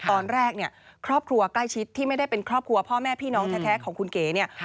ตอนแรกเนี่ยครอบครัวใกล้ชิดที่ไม่ได้เป็นครอบครัวพ่อแม่พี่น้องแท้ของคุณเก๋เนี่ย